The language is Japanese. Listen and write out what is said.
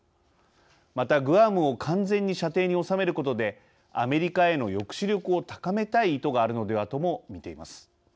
また、グアムを完全に射程に収めることでアメリカへの抑止力を高めたい意図があるのではとも見ています。